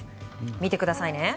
見てくださいね。